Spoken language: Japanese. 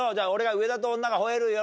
『上田と女が吠える夜』！